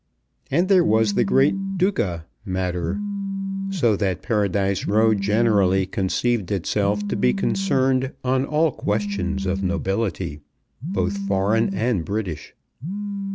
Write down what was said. And there was the great "Duca" matter; so that Paradise Row generally conceived itself to be concerned on all questions of nobility, both Foreign and British.